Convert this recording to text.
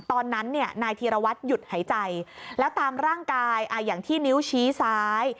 ตอนนั้นเนี่ยนายธีรวัตรหยุดหายใจแล้วตามร่างกายอย่างที่นิ้วชี้ซ้าย